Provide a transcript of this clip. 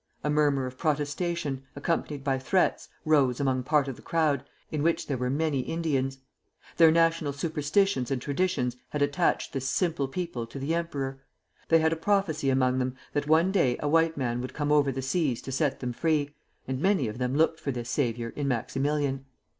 a murmur of protestation, accompanied by threats, rose among part of the crowd, in which there were many Indians. Their national superstitions and traditions had attached this simple people to the emperor. They had a prophecy among them that one day a white man would come over the seas to set them free, and many of them looked for this savior in Maximilian.